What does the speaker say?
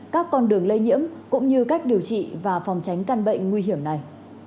các con đường lây nhiễm cũng như cách điều trị và phòng tránh căn bệnh nguy hiểm này